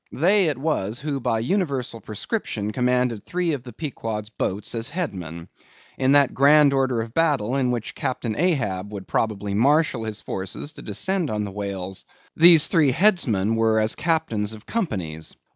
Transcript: They it was who by universal prescription commanded three of the Pequod's boats as headsmen. In that grand order of battle in which Captain Ahab would probably marshal his forces to descend on the whales, these three headsmen were as captains of companies.